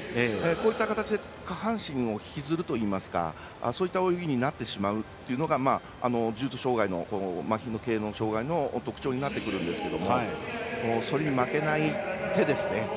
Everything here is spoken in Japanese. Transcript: こういった形で下半身を引きずるというかそういった泳ぎになってしまうというのが重度障がいのまひ系の障がいの特徴になるんですけどそれに負けない手ですね。